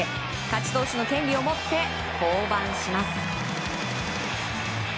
勝ち投手の権利を持って降板します。